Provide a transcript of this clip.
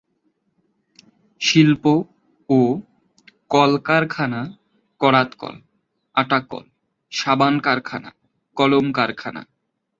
শিল্প ও কলকারখানা করাতকল, আটাকল, সাবান কারখানা, কলম কারখানা।